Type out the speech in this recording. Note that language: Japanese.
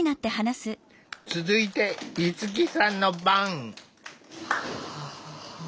続いて逸樹さんの番。